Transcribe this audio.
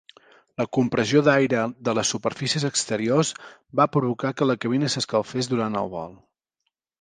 La compressió d'aire de les superfícies exteriors va provocar que la cabina s'escalfés durant el vol.